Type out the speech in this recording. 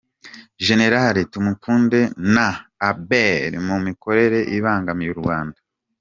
Gen Tumukunde na Abel mu mikorere ibangamiye u Rwanda